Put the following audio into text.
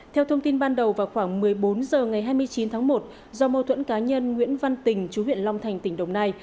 theo thông tin ban đầu vào khoảng một mươi bốn h ngày hai mươi chín tháng một do mâu thuẫn cá nhân nguyễn văn tình chú huyện long thành tỉnh đồng nai